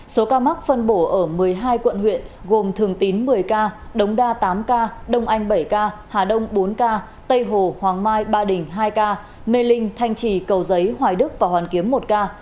số ca mắc phân bổ ở một mươi hai quận huyện gồm thường tín một mươi ca đống đa tám ca đông anh bảy ca hà đông bốn ca tây hồ hoàng mai ba đình hai ca mê linh thanh trì cầu giấy hoài đức và hoàn kiếm một ca